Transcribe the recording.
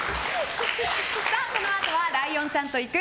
このあとはライオンちゃんと行く！